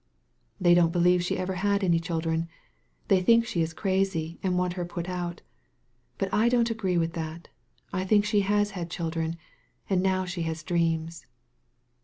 * They don't believe she ever had any children. They think she is crassy and want her put out. But I don't agree with that. I think she has had children, and now she has dreams."